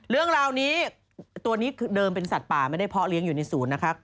เรื่องราวนี้ตัวนี้เดิมเป็นสัตว์ป่าไม่ได้เพาะเลี้ยงอยู่ในศูนย์นะครับ